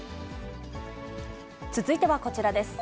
続いてはこちらです。